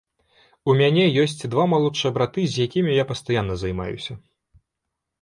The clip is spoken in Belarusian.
У мяне ёсць два малодшыя браты, з якімі я пастаянна займаюся.